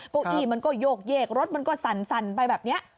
เก้าอี้มันก็โยกเยกรถมันก็สั่นไปแบบนี้